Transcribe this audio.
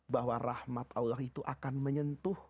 bahwa rahmat allah itu akan menyentuh